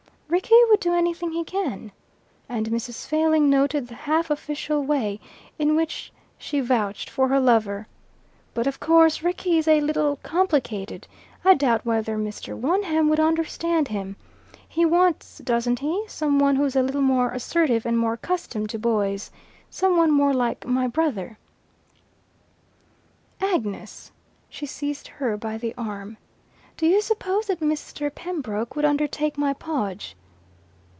"Rickie would do anything he can." And Mrs. Failing noted the half official way in which she vouched for her lover. "But of course Rickie is a little complicated. I doubt whether Mr. Wonham would understand him. He wants doesn't he? some one who's a little more assertive and more accustomed to boys. Some one more like my brother." "Agnes!" she seized her by the arm. "Do you suppose that Mr. Pembroke would undertake my Podge?"